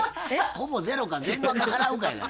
ほぼゼロか全額払うかやない。